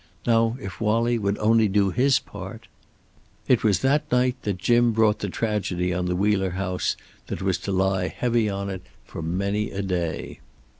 Now if Wallie would only do his part It was that night that Jim brought the tragedy on the Wheeler house that was to lie heavy on it for many a day.